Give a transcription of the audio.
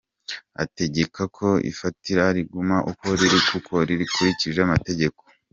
Ategeka ko ifatira riguma uko riri kuko rikurikije amategeko.